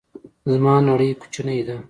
زما نړۍ کوچنۍ ده